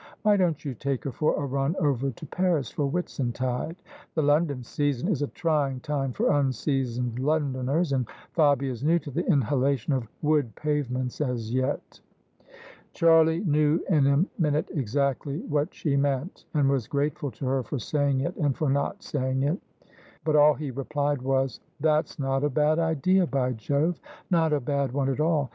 Why don't you take her for a run over to Paris for Whitsuntide? The London sea son is a trying time for unseasoned Londoners; and Fabia is new to the inhalation of wood pavements as yet." Charlie knew in a minute exactly what she meant: and was grateful to her for saying it and for not saying it. But all he replied was, "That's not a bad idea, by Jove, not a bad one at all